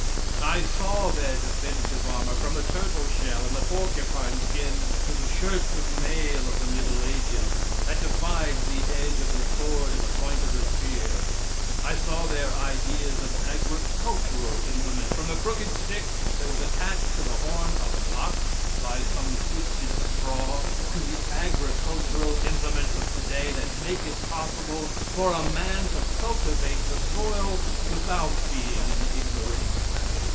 I saw their defensive armor, from the turtle shell and the porcupine skin to the shirts of mail of the middle ages, that defied the edge of the sword and the point of the spear. I saw their ideas of agricultural implements, from the crooked stick that was attached to the horn of an ox by some twisted straw, to the agricultural implements of today, that make it possible for a man to cultivate the soil without being an ignoramus.